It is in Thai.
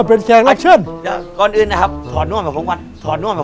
เป็นแขกรับเชิญก่อนอื่นนะครับถอดนั่วเหมือนผงวันถอดนั่วเหมือน